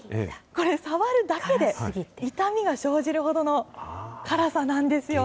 これ、触るだけで痛みが生じるほどの辛さなんですよ。